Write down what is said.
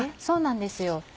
そうなんですよ。